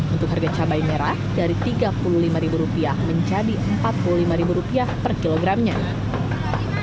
untuk harga cabai merah dari rp tiga puluh lima menjadi rp empat puluh lima per kilogramnya